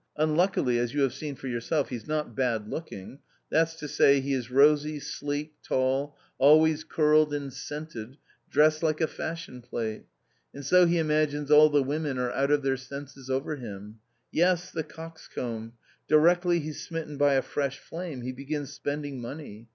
Unluckily, as you have seen for your self, he's not bad looking ; that's to say, he is rosy, sleek, tall, always curled and scented, dressed like a fashion plate ; and so he imagines all the women are out of their senses over him — yes, the coxcomb! directly he's smitten by a fresh flame, he begins spending money.